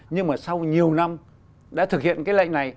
nhưng mà sau nhiều năm đã thực hiện cái lệnh này